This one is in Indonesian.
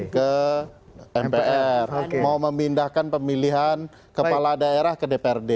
kalau kita mau memindahkan pemilihan kepala daerah ke dprd